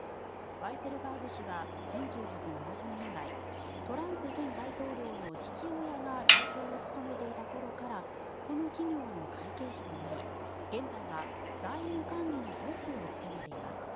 ワイセルバーグ氏は１９７０年代トランプ前大統領の父親が代表を務めていた頃からこの企業の会計士となり現在は財務管理のトップを務めています。